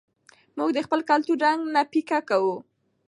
موږ د خپل کلتور رنګ نه پیکه کوو.